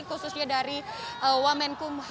khususnya dari wamenkumham mengatakan bahwa